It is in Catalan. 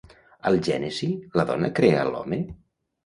Al Gènesi, la dona crea a l'home?